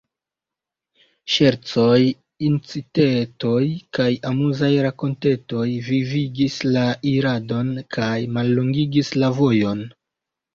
Ŝercoj, incitetoj kaj amuzaj rakontetoj vivigis la iradon kaj mallongigis la vojon.